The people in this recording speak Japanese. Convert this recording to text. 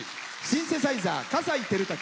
シンセサイザー、葛西暉武。